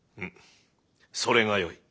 それがよい。